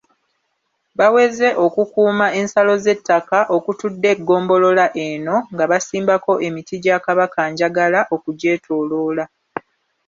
Baweze okukuuma ensalo z’ettaka okutudde eggombolola eno nga basimbako emiti gya Kabakanjagala okugyetooloola.